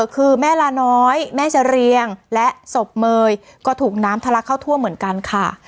คือแม่ลาน้อยแม่เจเรียงและศพเมยก็ถูกน้ำทะลักเข้าทั่วเหมือนกันค่ะ